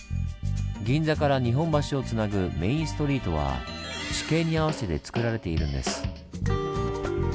銀座から日本橋をつなぐメインストリートは地形に合わせてつくられているんです。